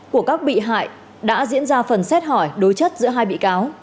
của các bị hại đã diễn ra phần xét hỏi đối chất giữa hai bị cáo